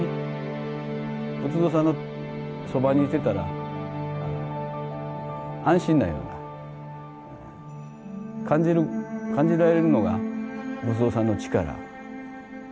仏像さんのそばにいてたら安心なような感じる感じられるのが仏像さんの力。